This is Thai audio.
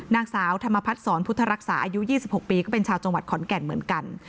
นางสาวธรรมพัทธ์สอนพุทธรรักษาอายุยี่สิบหกปีก็เป็นชาวจังหวัดขอนแก่นเหมือนกัน